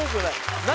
何